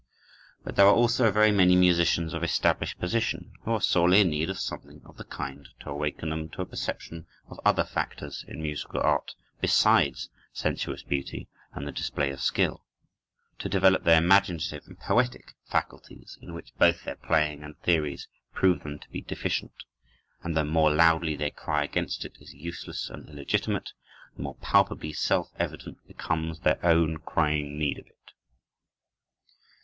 But there are also very many musicians of established position who are sorely in need of something of the kind to awaken them to a perception of other factors in musical art besides sensuous beauty and the display of skill; to develop their imaginative and poetic faculties, in which both their playing and theories prove them to be deficient; and the more loudly they cry against it as useless and illegitimate, the more palpably self evident becomes their own crying need of it.